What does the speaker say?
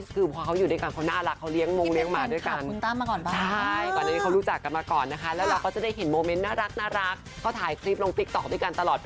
คือตะวันแรกเจอกันเอาพูดตรงไม่คิดว่าลอด